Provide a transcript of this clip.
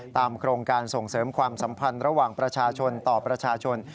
โครงการส่งเสริมความสัมพันธ์ระหว่างประชาชนต่อประชาชน